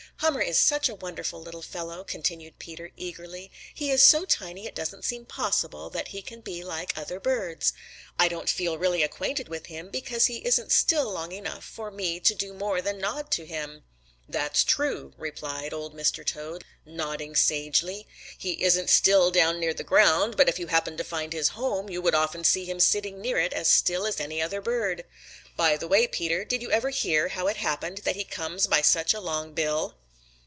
"Hummer is such a wonderful little fellow," continued Peter eagerly. "He is so tiny it doesn't seem possible that he can be like other birds. I don't feel really acquainted with him because he isn't still long enough for me to more than nod to him." "That's true," replied Old Mr. Toad, nodding sagely. "He isn't still down near the ground, but if you happened to find his home, you would often see him sitting near it as still as any other bird. By the way, Peter, did you ever hear how it happened that he comes by such a long bill?"